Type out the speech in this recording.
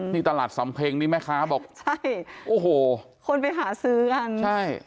นี่ตลาดสำเพ็งนี่แม่ค้าบอกใช่โอ้โหคนไปหาซื้อกันใช่